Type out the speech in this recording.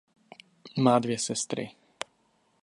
Má dvě sestry.